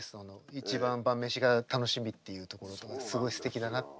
一番晩飯が楽しみっていうところとかすごいすてきだなって。